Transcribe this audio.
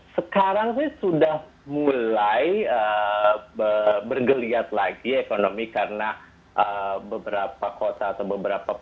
sekarang sih sudah mulai bergeliat lagi ekonomi karena beberapa kota atau beberapa